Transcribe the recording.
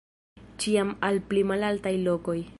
Ĉiam al pli malaltaj lokoj.